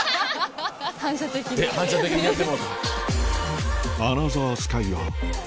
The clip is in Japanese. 反射的にやってもうた。